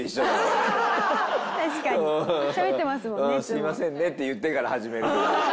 「すいませんね」って言ってから始める。